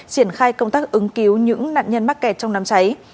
triển khai công tác ứng cứu những nạn nhân mắc kẹt trong đám cháy